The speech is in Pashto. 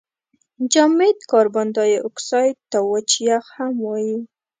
جامد کاربن دای اکساید ته وچ یخ هم وايي.